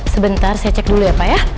sebentar saya cek dulu ya pak ya